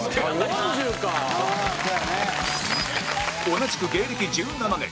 同じく芸歴１７年